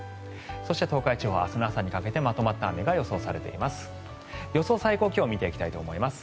そして、東海地方明日の朝にかけてまとまった雨が降る予想です。